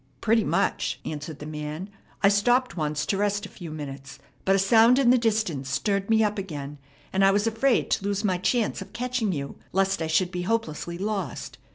"Pretty much," answered the man. "I stopped once to rest a few minutes; but a sound in the distance stirred me up again, and I was afraid to lose my chance of catching you, lest I should be hopelessly lost.